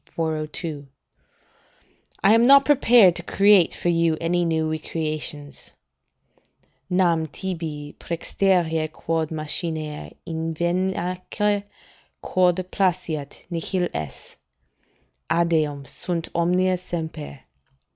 402.] "I am not prepared to create for you any new recreations: "'Nam tibi prxterea quod machiner, inveniamque Quod placeat, nihil est; eadem sunt omnia semper.